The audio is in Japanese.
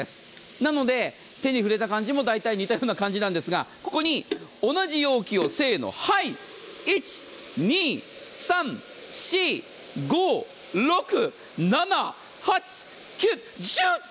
なので手に触れた感じもだいたい似たような感じなんですがここに同じ容器を、せーの１、２、３、４、５６、７、８、９、１０。